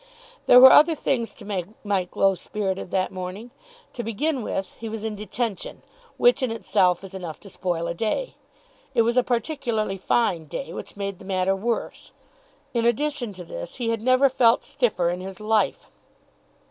There were other things to make Mike low spirited that morning. To begin with, he was in detention, which in itself is enough to spoil a day. It was a particularly fine day, which made the matter worse. In addition to this, he had never felt stiffer in his life.